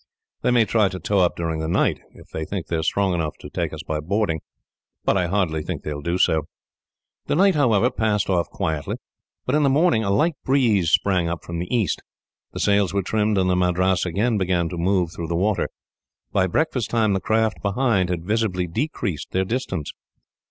They may try to tow up during the night, if they think they are strong enough to take us by boarding, but I hardly think they will do so." The night, however, passed off quietly. But in the morning a light breeze sprang up from the east, the sails were trimmed, and the Madras again began to move through the water. By breakfast time, the craft behind had visibly decreased their distance.